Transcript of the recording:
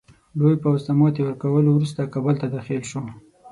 لوی پوځ ته ماتي ورکولو وروسته کابل ته داخل شو.